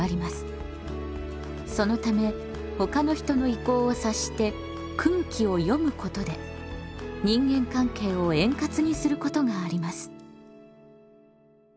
そのためほかの人の意向を察して「空気を読む」ことで人間関係を円滑にすることがあります。